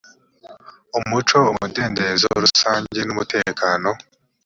umuco umudendezo rusange n umutekano